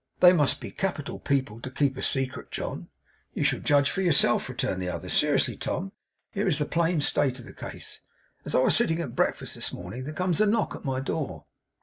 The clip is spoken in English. They must be capital people to keep a secret, John.' 'You shall judge for yourself,' returned the other. 'Seriously, Tom, here is the plain state of the case. As I was sitting at breakfast this morning, there comes a knock at my door.